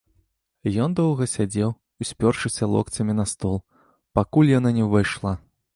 Ён доўга сядзеў, успёршыся локцямі на стол, пакуль яна не ўвайшла.